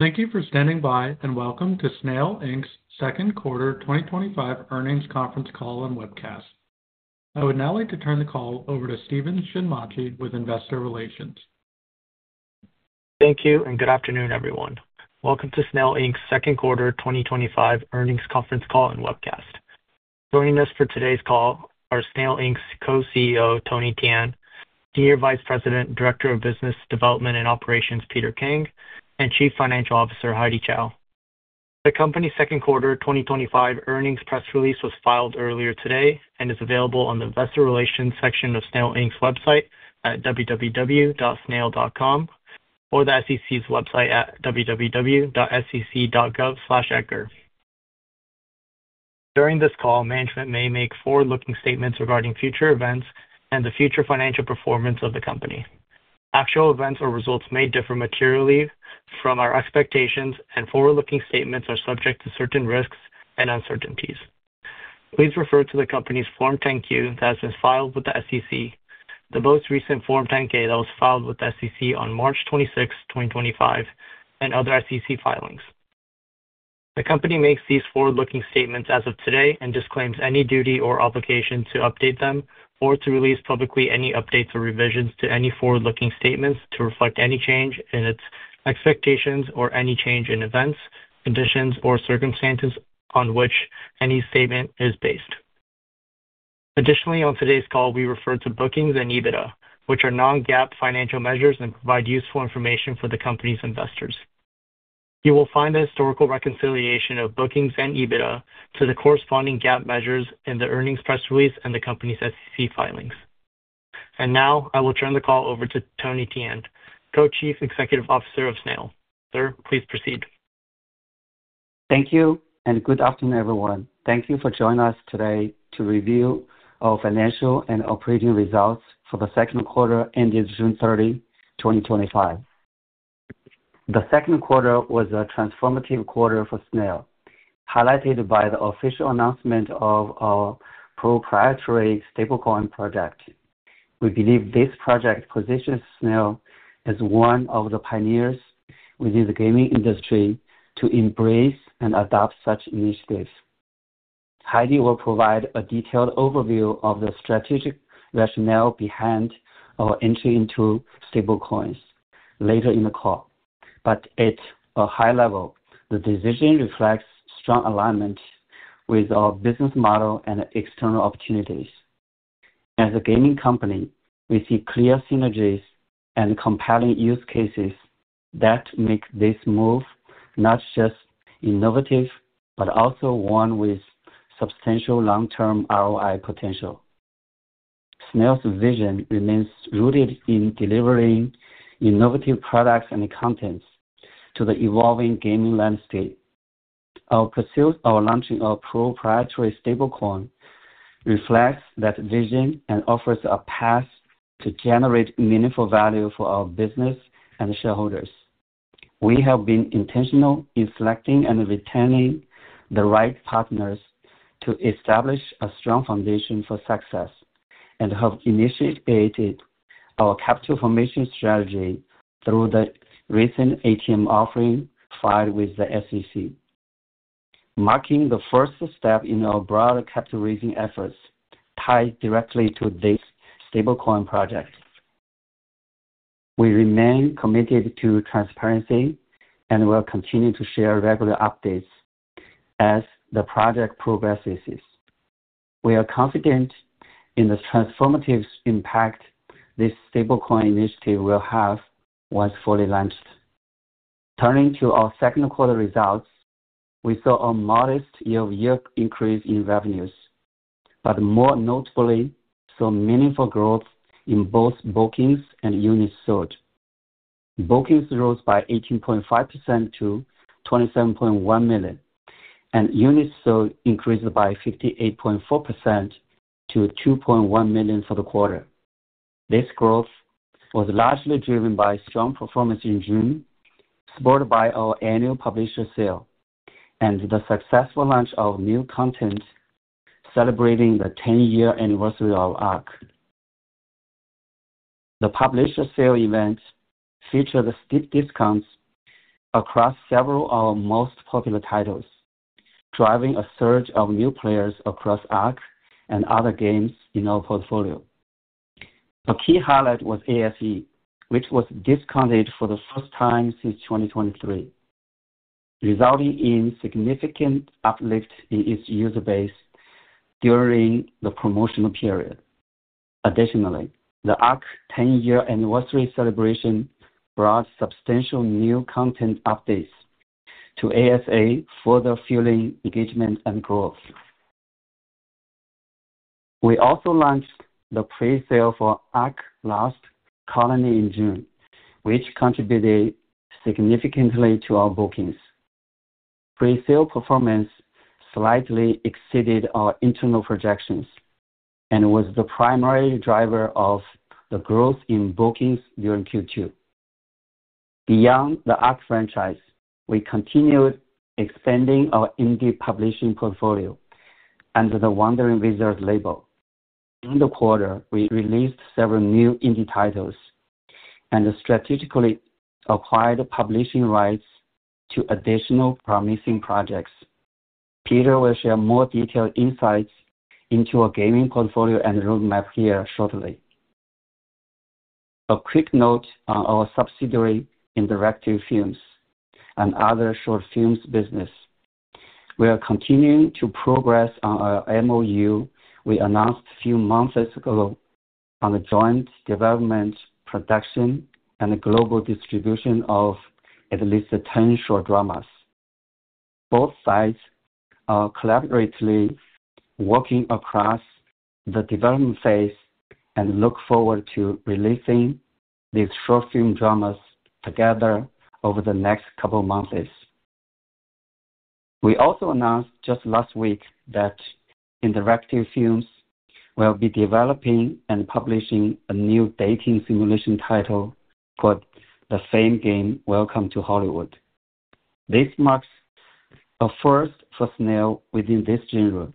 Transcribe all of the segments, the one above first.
Thank you for standing by and welcome to Snail Inc.'s Second Quarter 2025 Earnings Conference Call and Webcast. I would now like to turn the call over to Steven Shinmachi with Investor Relations. Thank you and good afternoon, everyone. Welcome to Snail Inc.'s Second Quarter 2025 Earnings Conference Call and Webcast. Joining us for today's call are Snail Inc.'s Co-CEO Tony Tian, Senior Vice President and Director of Business Development and Operations, Peter Kang, and Chief Financial Officer, Heidy Chow. The company's Second Quarter 2025 Earnings press release was filed earlier today and is available on the Investor Relations section of Snail Inc.'s website at www.snail.com or the SEC's website at www.sec.gov. During this call, management may make forward-looking statements regarding future events and the future financial performance of the company. Actual events or results may differ materially from our expectations, and forward-looking statements are subject to certain risks and uncertainties. Please refer to the company's Form 10-Q that has been filed with the SEC, the most recent Form 10-K that was filed with the SEC on March 26, 2025, and other SEC filings. The company makes these forward-looking statements as of today and disclaims any duty or obligation to update them or to release publicly any updates or revisions to any forward-looking statements to reflect any change in its expectations or any change in events, conditions, or circumstances on which any statement is based. Additionally, on today's call, we refer to bookings and EBITDA, which are non-GAAP financial measures and provide useful information for the company's investors. You will find the historical reconciliation of bookings and EBITDA to the corresponding GAAP measures in the earnings press release and the company's SEC filings. I will now turn the call over to Tony Tian, Co-Chief Executive Officer of Snail. Sir, please proceed. Thank you and good afternoon, everyone. Thank you for joining us today to review our financial and operating results for the second quarter ending June 30, 2025. The second quarter was a transformative quarter for Snail, highlighted by the official announcement of our proprietary stablecoin project. We believe this project positions Snail as one of the pioneers within the gaming industry to embrace and adopt such initiatives. Heidy will provide a detailed overview of the strategic rationale behind our entry into stablecoins later in the call. At a high level, the decision reflects strong alignment with our business model and external opportunities. As a gaming company, we see clear synergies and compelling use cases that make this move not just innovative, but also one with substantial long-term ROI potential. Snail's vision remains rooted in delivering innovative products and content to the evolving gaming landscape. Our pursuit of launching our proprietary stablecoin reflects that vision and offers a path to generate meaningful value for our business and shareholders. We have been intentional in selecting and retaining the right partners to establish a strong foundation for success and have initiated our capital formation strategy through the recent ATM offering filed with the SEC, marking the first step in our broader capital raising efforts tied directly to this stablecoin project. We remain committed to transparency and will continue to share regular updates as the project progresses. We are confident in the transformative impact this stablecoin initiative will have once fully launched. Turning to our second quarter results, we saw a modest year-over-year increase in revenues, but more notably, saw meaningful growth in both bookings and units sold. Bookings rose by 18.5% to 27.1 million, and units sold increased by 58.4% to 2.1 million for the quarter. This growth was largely driven by strong performance in June, supported by our annual publisher sale and the successful launch of new content celebrating the 10-year anniversary of the ARK. The publisher sale event featured steep discounts across several of our most popular titles, driving a surge of new players across the ARK and other games in our portfolio. A key highlight was ASE, which was discounted for the first time since 2023, resulting in a significant uplift in its user base during the promotional period. Additionally, the ARK 10-year anniversary celebration brought substantial new content updates to ASA, further fueling engagement and growth. We also launched the pre-sale for ARK: Lost Colony in June, which contributed significantly to our bookings. Pre-sale performance slightly exceeded our internal projections and was the primary driver of the growth in bookings during Q2. Beyond the ARK franchise, we continued expanding our Indie publishing portfolio under the Wandering Wizards label. During the quarter, we released several new Indie titles and strategically acquired publishing rights to additional promising projects. Peter will share more detailed insights into our gaming portfolio and roadmap here shortly. A quick note on our subsidiary Interactive Films and other short drama business. We are continuing to progress on our MOU we announced a few months ago on the joint development, production, and global distribution of at least 10 short dramas. Both sides are collaboratively working across the development phase and look forward to releasing these short film dramas together over the next couple of months. We also announced just last week that Interactive Films will be developing and publishing a new dating simulation title called The Fame Game: Welcome to Hollywood. This marks a first for Snail within this genre,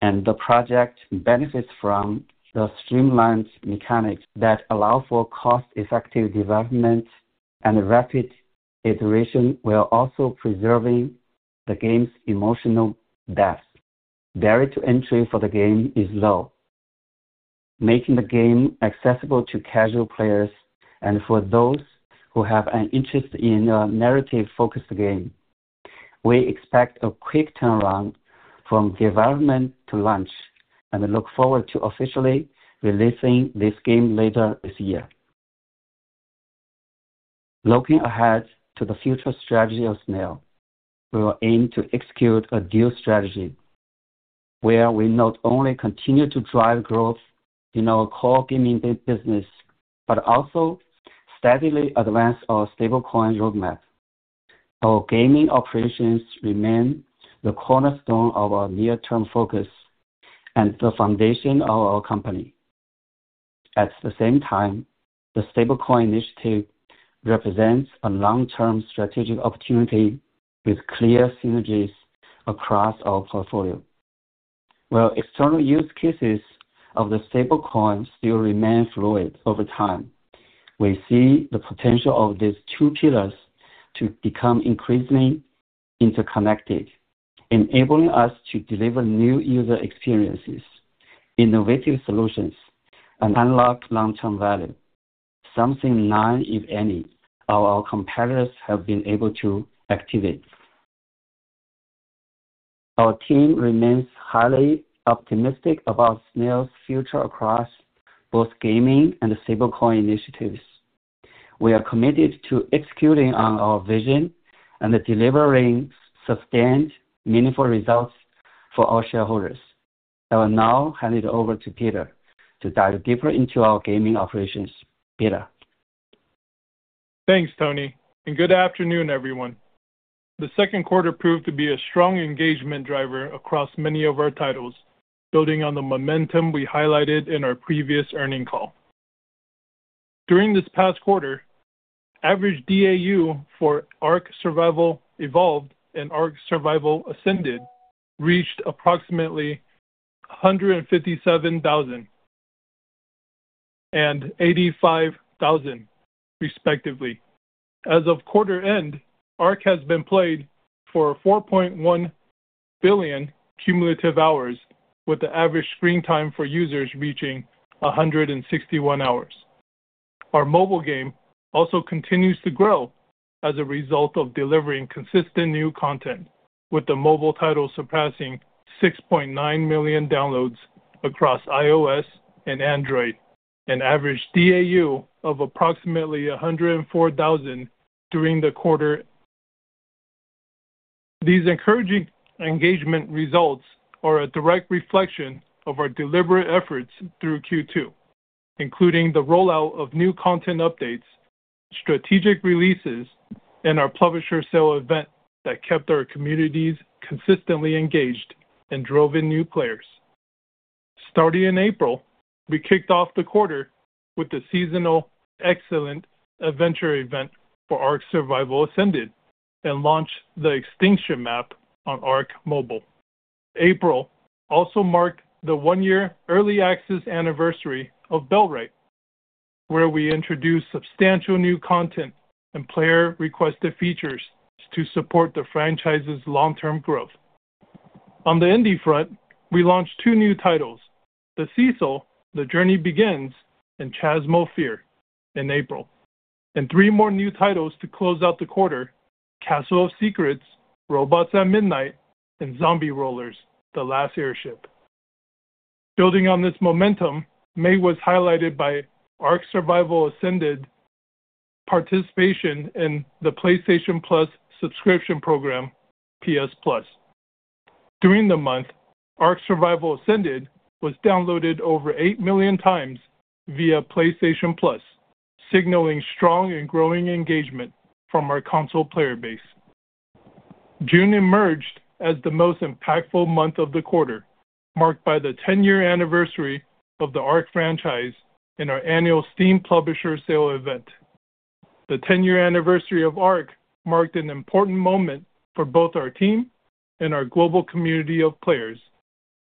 and the project benefits from the streamlined mechanics that allow for cost-effective development and rapid iteration, while also preserving the game's emotional depth. Barrier to entry for the game is low, making the game accessible to casual players and for those who have an interest in a narrative-focused game. We expect a quick turnaround from development to launch and look forward to officially releasing this game later this year. Looking ahead to the future strategy of Snail, we will aim to execute a dual strategy where we not only continue to drive growth in our core gaming business, but also steadily advance our stablecoin roadmap. Our gaming operations remain the cornerstone of our near-term focus and the foundation of our company. At the same time, the stablecoin initiative represents a long-term strategic opportunity with clear synergies across our portfolio. While external use cases of the stablecoin still remain fluid over time, we see the potential of these two pillars to become increasingly interconnected, enabling us to deliver new user experiences, innovative solutions, and unlock long-term value, something none of our competitors have been able to activate. Our team remains highly optimistic about Snail's future across both gaming and stablecoin initiatives. We are committed to executing on our vision and delivering sustained, meaningful results for our shareholders. I will now hand it over to Peter to dive deeper into our gaming operations. Peter. Thanks, Tony, and good afternoon, everyone. The second quarter proved to be a strong engagement driver across many of our titles, building on the momentum we highlighted in our previous earnings call. During this past quarter, the average DAU for ARK Survival Evolved and ARK Survival Ascended reached approximately 157,000 and 85,000, respectively. As of quarter end, ARK has been played for 4.1 billion cumulative hours, with the average screen time for users reaching 161 hours. Our mobile game also continues to grow as a result of delivering consistent new content, with the mobile title surpassing 6.9 million downloads across iOS and Android, an average DAU of approximately 104,000 during the quarter. These encouraging engagement results are a direct reflection of our deliberate efforts through Q2, including the rollout of new content updates, strategic releases, and our publisher sale event that kept our communities consistently engaged and drove in new players. Starting in April, we kicked off the quarter with the seasonal Eggcellent Adventure event for ARK Survival Ascended and launched the Extinction map on ARK Mobile. April also marked the one-year Early Access anniversary of Belrite, where we introduced substantial new content and player-requested features to support the franchise's long-term growth. On the indie front, we launched two new titles: The Cecil, The Journey Begins, and Chasmal Fear in April, and three more new titles to close out the quarter: Castle of Secrets, Robots at Midnight, and Zombie Rollerz: The Last Ship. Building on this momentum, May was highlighted by ARK Survival Ascended's participation in the PlayStation Plus subscription program, PS Plus. During the month, ARK Survival Ascended was downloaded over 8 million times via PlayStation Plus, signaling strong and growing engagement from our console player base. June emerged as the most impactful month of the quarter, marked by the 10-year anniversary of the ARK franchise in our annual Steam Publisher Sale event. The 10-year anniversary of ARK marked an important moment for both our team and our global community of players.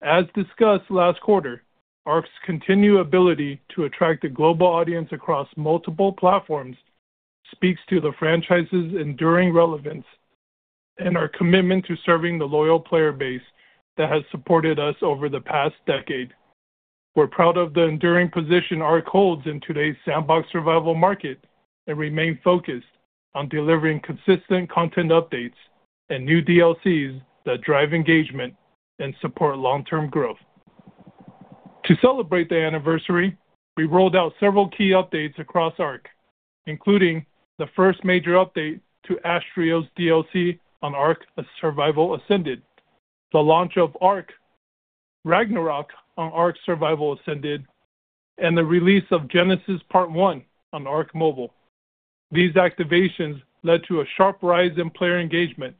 As discussed last quarter, ARK's continued ability to attract a global audience across multiple platforms speaks to the franchise's enduring relevance and our commitment to serving the loyal player base that has supported us over the past decade. We're proud of the enduring position ARK holds in today's sandbox survival market and remain focused on delivering consistent content updates and new DLCs that drive engagement and support long-term growth. To celebrate the anniversary, we rolled out several key updates across ARK, including the first major update to Astraeos DLC on ARK Survival Ascended, the launch of ARK Ragnarok on ARK Survival Ascended, and the release of Genesis: Part 1 on ARK Mobile. These activations led to a sharp rise in player engagement.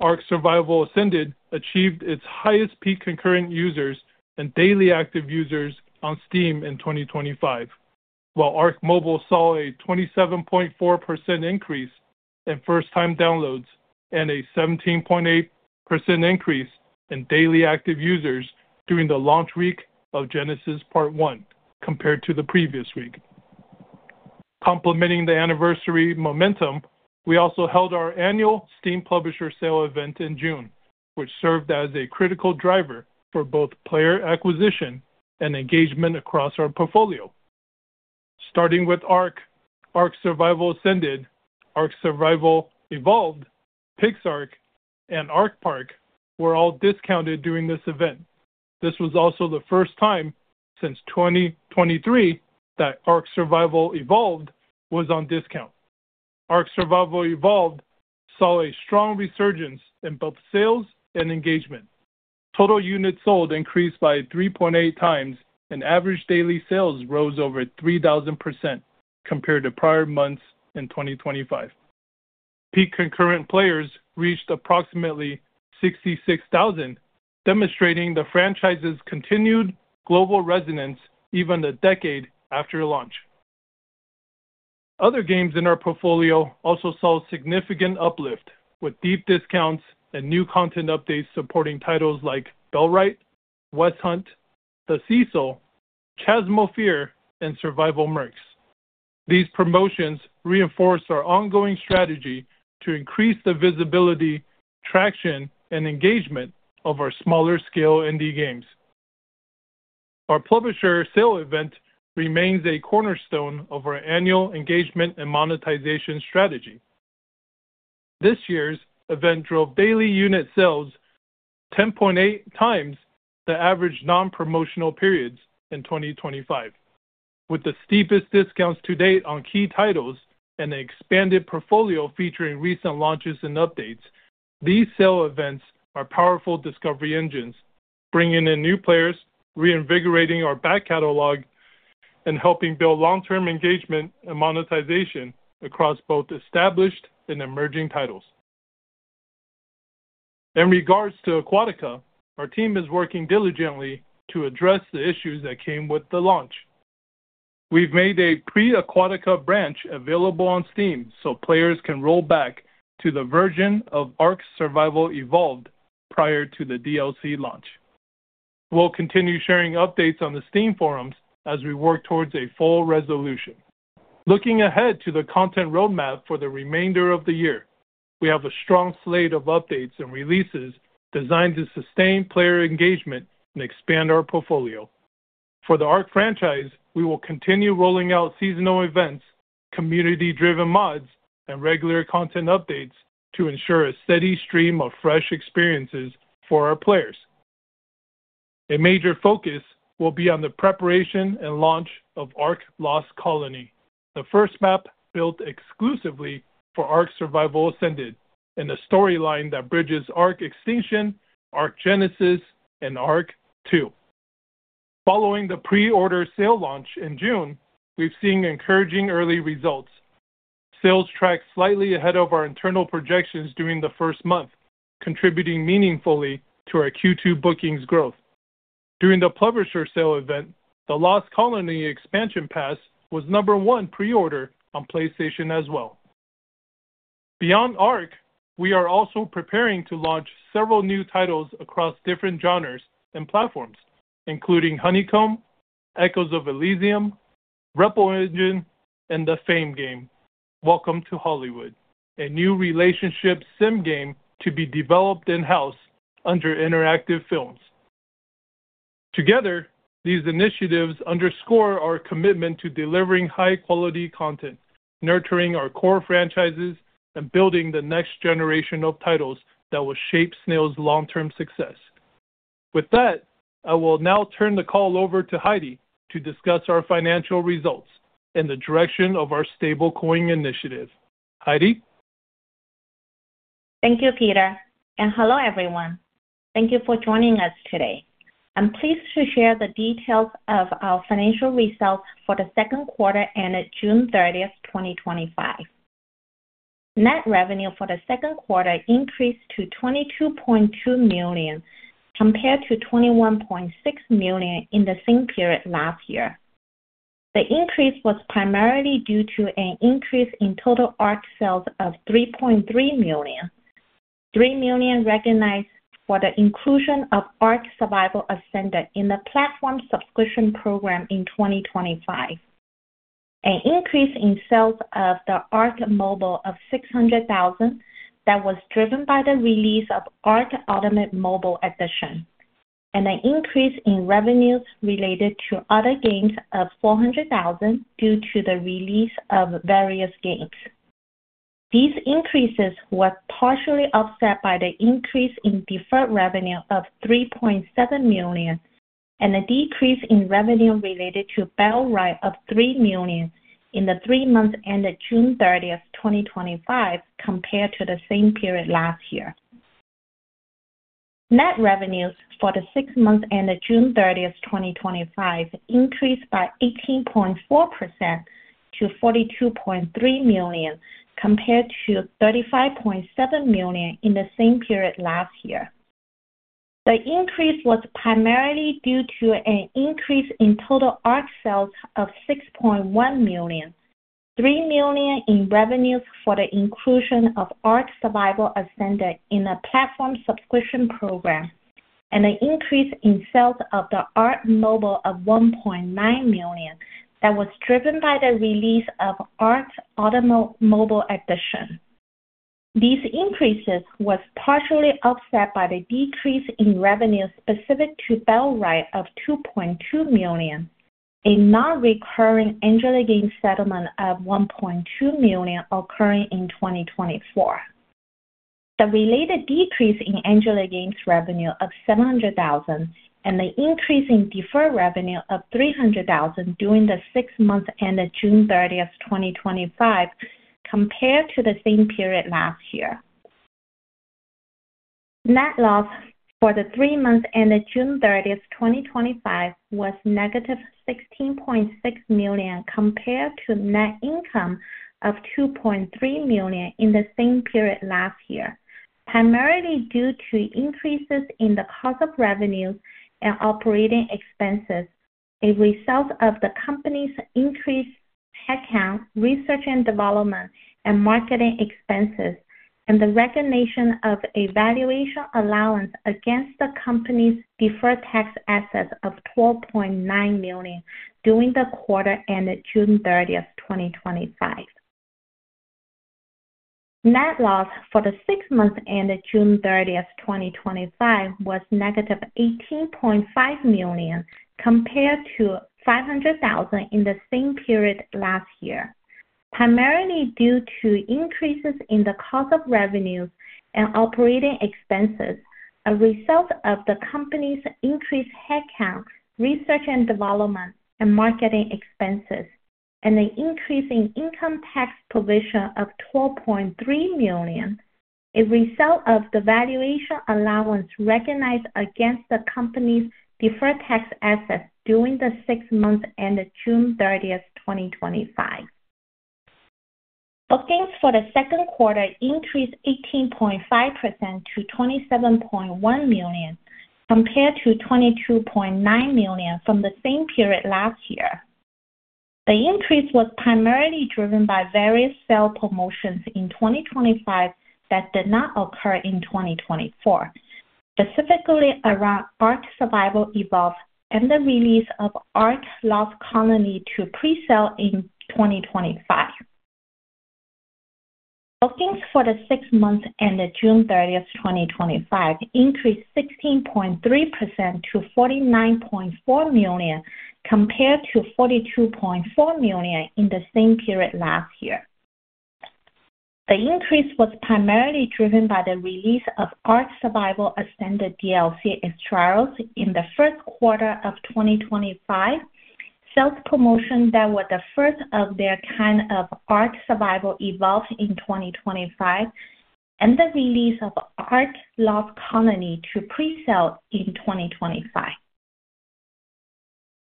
ARK Survival Ascended achieved its highest peak concurrent users and daily active users on Steam in 2025, while ARK Mobile saw a 27.4% increase in first-time downloads and a 17.8% increase in daily active users during the launch week of Genesis: Part 1, compared to the previous week. Complementing the anniversary momentum, we also held our annual Steam Publisher Sale event in June, which served as a critical driver for both player acquisition and engagement across our portfolio. Starting with ARK, ARK Survival Ascended, ARK Survival Evolved, PixARK, and ARK Park were all discounted during this event. This was also the first time since 2023 that ARK Survival Evolved was on discount. ARK Survival Evolved saw a strong resurgence in both sales and engagement. Total units sold increased by 3.8 times, and average daily sales rose over 3,000% compared to prior months in 2025. Peak concurrent players reached approximately 66,000, demonstrating the franchise's continued global resonance even a decade after launch. Other games in our portfolio also saw a significant uplift, with deep discounts and new content updates supporting titles like Bellwright, West Hunt, The Cecil, Chasmal Fear, and Survival Mercs. These promotions reinforce our ongoing strategy to increase the visibility, traction, and engagement of our smaller-scale indie games. Our publisher sale event remains a cornerstone of our annual engagement and monetization strategy. This year's event drove daily unit sales 10.8 times the average non-promotional periods in 2025. With the steepest discounts to date on key titles and the expanded portfolio featuring recent launches and updates, these sale events are powerful discovery engines, bringing in new players, reinvigorating our back catalog, and helping build long-term engagement and monetization across both established and emerging titles. In regards to Aquatica, our team is working diligently to address the issues that came with the launch. We've made a pre-Aquatica branch available on Steam so players can roll back to the version of ARK Survival Evolved prior to the DLC launch. We'll continue sharing updates on the Steam forums as we work towards a full resolution. Looking ahead to the content roadmap for the remainder of the year, we have a strong slate of updates and releases designed to sustain player engagement and expand our portfolio. For the ARK franchise, we will continue rolling out seasonal events, community-driven mods, and regular content updates to ensure a steady stream of fresh experiences for our players. A major focus will be on the preparation and launch of ARK: Lost Colony, the first map built exclusively for ARK Survival Ascended and the storyline that bridges ARK Extinction, ARK Genesis, and ARK 2. Following the pre-order sale launch in June, we've seen encouraging early results. Sales tracked slightly ahead of our internal projections during the first month, contributing meaningfully to our Q2 bookings growth. During the publisher sale event, the Lost Colony expansion pass was number one pre-order on PlayStation as well. Beyond ARK, we are also preparing to launch several new titles across different genres and platforms, including Honeycomb: The World Beyond, Echoes of Elysium, Rebel Engine, and The Fame Game: Welcome to Hollywood, a new relationship sim game to be developed in-house under Interactive Films. Together, these initiatives underscore our commitment to delivering high-quality content, nurturing our core franchises, and building the next generation of titles that will shape Snail's long-term success. With that, I will now turn the call over to Heidy to discuss our financial results and the direction of our stablecoin initiative. Heidy. Thank you, Peter, and hello everyone. Thank you for joining us today. I'm pleased to share the details of our financial results for the second quarter ended June 30, 2025. Net revenue for the second quarter increased to $22.2 million, compared to $21.6 million in the same period last year. The increase was primarily due to an increase in total ARK sales of $3.3 million, $3 million recognized for the inclusion of ARK Survival Ascended in the platform subscription program in 2025, an increase in sales of the ARK Mobile of $600,000 that was driven by the release of ARK Ultimate Mobile Edition, and an increase in revenues related to other games of $400,000 due to the release of various games. These increases were partially offset by the increase in deferred revenue of $3.7 million and a decrease in revenue related to Bell Wright of $3 million in the three months ended June 30, 2025, compared to the same period last year. Net revenues for the six months ended June 30, 2025, increased by 18.4% to $42.3 million, compared to $35.7 million in the same period last year. The increase was primarily due to an increase in total ARK sales of $6.1 million, $3 million in revenues for the inclusion of ARK Survival Ascended in the platform subscription program, and an increase in sales of the ARK Mobile of $1.9 million that was driven by the release of ARK Ultimate Mobile Edition. These increases were partially offset by the decrease in revenue specific to Bell Wright of $2.2 million, a non-recurring Angela Game settlement of $1.2 million occurring in 2024, the related decrease in Angela Game revenue of $700,000, and the increase in deferred revenue of $300,000 during the six months ended June 30, 2025, compared to the same period last year. Net loss for the three months ended June 30, 2025, was negative $16.6 million compared to net income of $2.3 million in the same period last year, primarily due to increases in the cost of revenues and operating expenses, a result of the company's increased headcount, research and development, and marketing expenses, and the recognition of a valuation allowance against the company's deferred tax assets of $12.9 million during the quarter ended June 30, 2025. Net loss for the six months ended June 30, 2025, was -$18.5 million compared to $500,000 in the same period last year, primarily due to increases in the cost of revenues and operating expenses, a result of the company's increased headcount, research and development, and marketing expenses, and an increase in income tax provision of $12.3 million, a result of the valuation allowance recognized against the company's deferred tax assets during the six months ended June 30, 2025. Bookings for the second quarter increased 18.5% to $27.1 million compared to $22.9 million from the same period last year. The increase was primarily driven by various sale promotions in 2025 that did not occur in 2024, specifically around ARK Survival Evolved and the release of ARK: Lost Colony to pre-sale in 2025. Bookings for the six months ended June 30, 2025, increased 16.3% to $49.4 million compared to $42.4 million in the same period last year. The increase was primarily driven by the release of ARK Survival Ascended DLC Astraeos in the first quarter of 2025, sales promotions that were the first of their kind for ARK Survival Evolved in 2025, and the release of ARK: Lost Colony to pre-sale in 2025.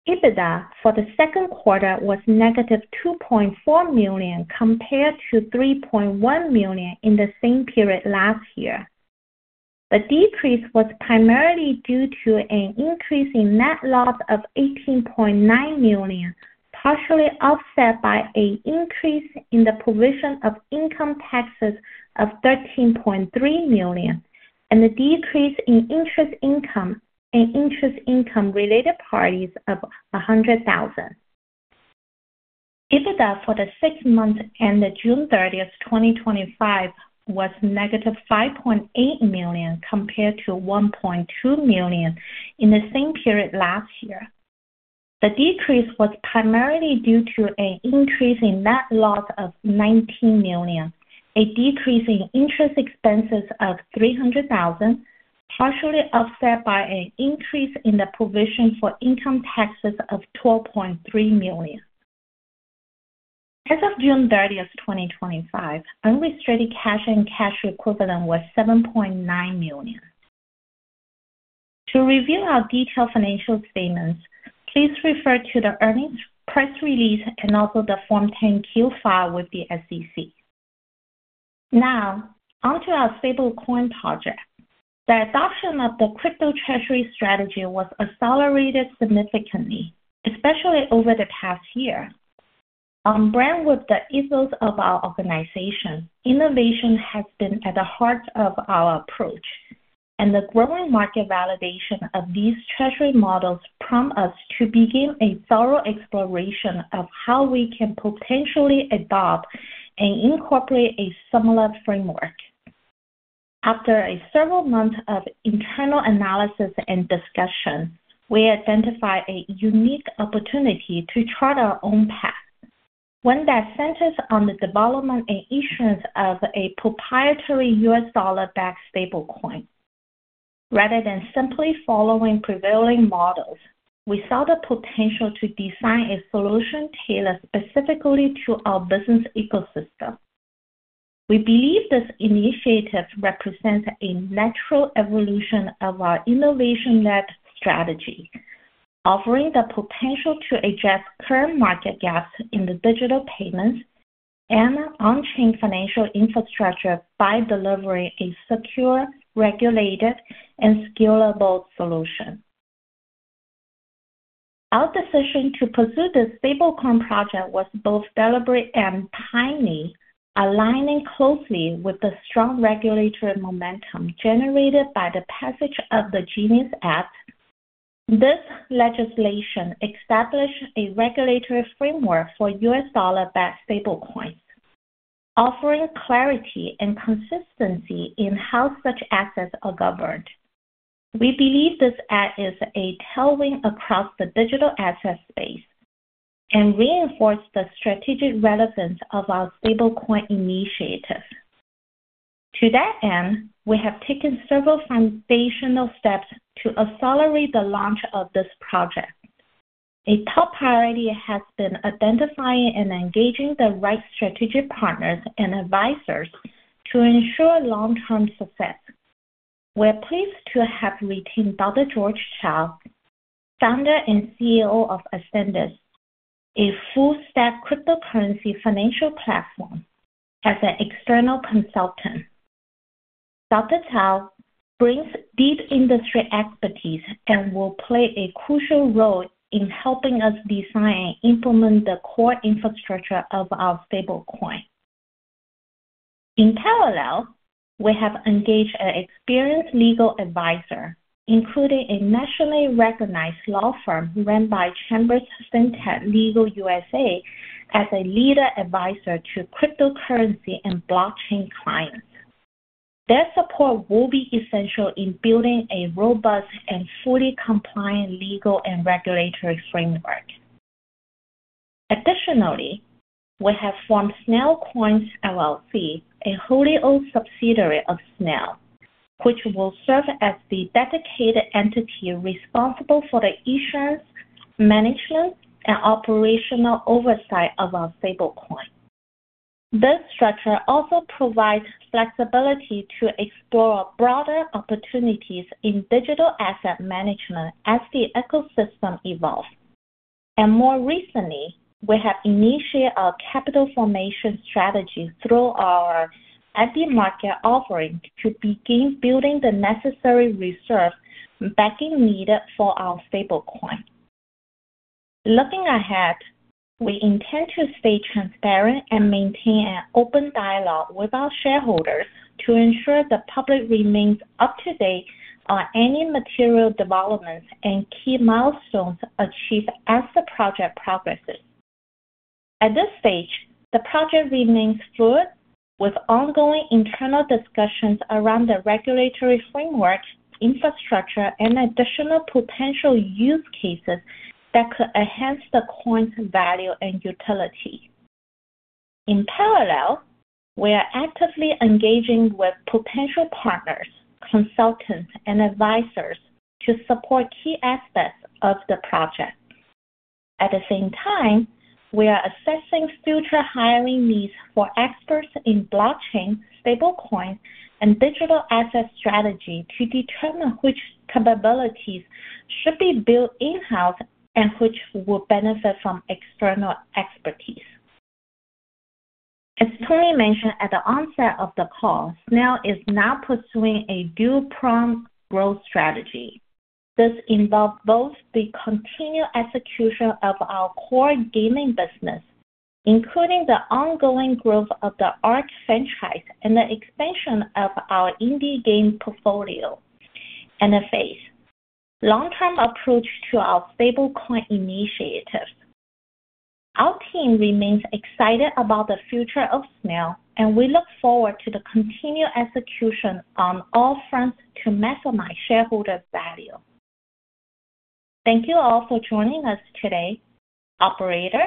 EBITDA for the second quarter was negative $2.4 million compared to $3.1 million in the same period last year. The decrease was primarily due to an increase in net loss of $18.9 million, partially offset by an increase in the provision of income taxes of $13.3 million, and the decrease in interest income and interest income-related parties of $100,000. EBITDA for the six months ended June 30, 2025, was negative $5.8 million compared to $1.2 million in the same period last year. The decrease was primarily due to an increase in net loss of $19 million, a decrease in interest expenses of $300,000, partially offset by an increase in the provision for income taxes of $12.3 million. As of June 30, 2025, unrestricted cash and cash equivalent was $7.9 million. To review our detailed financial statements, please refer to the earnings press release and also the Form 10-Q filed with the SEC. Now, onto our stablecoin project. The adoption of the crypto treasury strategy was accelerated significantly, especially over the past year. On brand with the ethos of our organization, innovation has been at the heart of our approach, and the growing market validation of these treasury models prompts us to begin a thorough exploration of how we can potentially adopt and incorporate a similar framework. After several months of internal analysis and discussion, we identified a unique opportunity to chart our own path, one that centers on the development and issuance of a proprietary US dollar-backed stablecoin. Rather than simply following prevailing models, we saw the potential to design a solution tailored specifically to our business ecosystem. We believe this initiative represents a natural evolution of our innovation-led strategy, offering the potential to address current market gaps in the digital payments and on-chain financial infrastructure by delivering a secure, regulated, and scalable solution. Our decision to pursue this stablecoin project was both deliberate and timely, aligning closely with the strong regulatory momentum generated by the passage of the GENIUS Act. This legislation established a regulatory framework for US dollar-backed stablecoins, offering clarity and consistency in how such assets are governed. We believe this act is a tailwind across the digital asset space and reinforces the strategic relevance of our stablecoin initiative. To that end, we have taken several foundational steps to accelerate the launch of this project. A top priority has been identifying and engaging the right strategic partners and advisors to ensure long-term success. We're pleased to have retained Dr. George Cao, founder and CEO of AscendEX, a full-stack cryptocurrency financial platform, as an external consultant. Dr. Cao brings deep industry expertise and will play a crucial role in helping us design and implement the core infrastructure of our stablecoin. In parallel, we have engaged an experienced legal advisor, including a nationally recognized law firm run by Chambers FinTech Legal USA, as a legal advisor to cryptocurrency and blockchain clients. Their support will be essential in building a robust and fully compliant legal and regulatory framework. Additionally, we have formed Snail Coins LLC, a wholly owned subsidiary of Snail, which will serve as the dedicated entity responsible for the issuance, management, and operational oversight of our stablecoin. This structure also provides flexibility to explore broader opportunities in digital asset management as the ecosystem evolves. More recently, we have initiated our capital formation strategy through our at-the-market offering to begin building the necessary reserve and backing needed for our stablecoin. Looking ahead, we intend to stay transparent and maintain an open dialogue with our shareholders to ensure the public remains up to date on any material developments and key milestones achieved as the project progresses. At this stage, the project remains fluid, with ongoing internal discussions around the regulatory framework, infrastructure, and additional potential use cases that could enhance the coin's value and utility. In parallel, we are actively engaging with potential partners, consultants, and advisors to support key aspects of the project. At the same time, we are assessing future hiring needs for experts in blockchain, stablecoin, and digital asset strategy to determine which capabilities should be built in-house and which would benefit from external expertise. As Tony mentioned at the onset of the call, Snail is now pursuing a dual-pronged growth strategy. This involves both the continued execution of our core gaming business, including the ongoing growth of the ARK franchise and the expansion of our indie game portfolio [interface], and a long-term approach to our stablecoin initiative. Our team remains excited about the future of Snail, and we look forward to the continued execution on all fronts to maximize shareholder value. Thank you all for joining us today. Operator.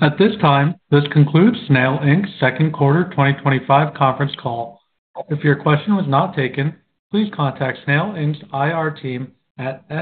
At this time, this concludes Snail Inc.'s Second Quarter 2025 Conference Call. If your question was not taken, please contact Snail Inc.'s IR team.